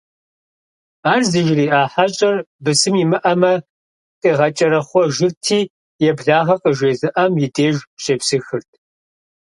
Ар зыжриӀа хьэщӀэр, бысым имыӀэмэ, къигъэкӀэрэхъуэжырти, еблагъэ къыжезыӀам и деж щепсыхырт.